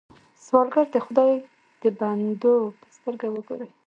سوالګر ته د خدای د بندو په سترګه وګورئ